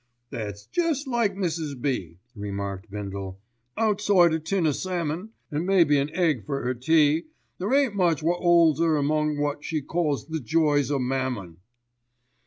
"That's jest like Mrs. B.," remarked Bindle, "Outside a tin o' salmon, an' maybe an egg for 'er tea, there ain't much wot 'olds 'er among what she calls the joys o' mammon."